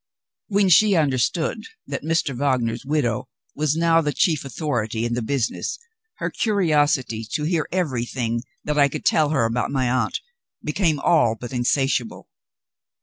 When she understood that Mr. Wagner's widow was now the chief authority in the business, her curiosity to hear everything that I could tell her about my aunt became all but insatiable.